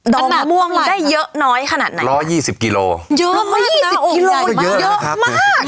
ด๋องมาม่วงได้เยอะน้อยขนาดไหนยกมาก